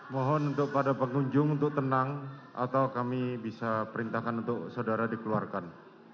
mohon untuk pada pengunjung to tenang atau kami bisa perintahkan untuk saudara dikeluarkan